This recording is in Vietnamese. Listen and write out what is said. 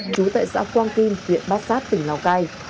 trú tại xã quang kim huyện bát sát tỉnh lào cai